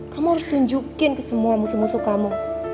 kamu harus tunjukin ke semua musuh musuh kamu